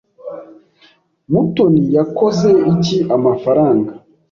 Mutoni yakoze iki amafaranga?